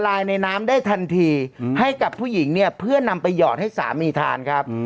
ลายในน้ำได้ทันทีให้กับผู้หญิงเนี่ยเพื่อนำไปหยอดให้สามีทานครับ